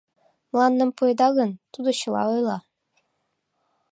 Мландым пуэда гын, тудо чыла ойла.